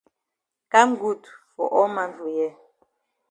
Kam good for all man for here.